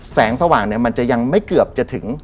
แสงสว่างเนี่ยมันจะยังไม่เกือบจะถึง